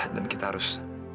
dan kita harus